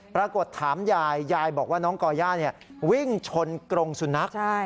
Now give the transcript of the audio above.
ปรากฏถามยายยายบอกว่าน้องก่อย่าวิ่งชนกรงสุนัข